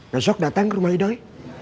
besok dateng ke rumah idoy